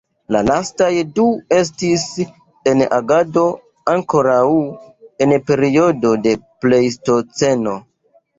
La lastaj du estis en agado ankoraŭ en periodo de plejstoceno.